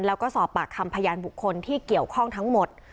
แล้วก็สอบปากคำพยานบุคคลที่เกี่ยวข้องทั้งหมด